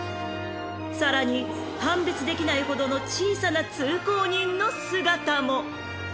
［さらに判別できないほどの小さな通行人の姿も］